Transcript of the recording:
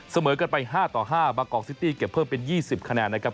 เสมอกันไป๕ต่อ๕บางกอกซิตี้เก็บเพิ่มเป็น๒๐คะแนนนะครับ